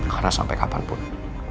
karena sampai kapanpun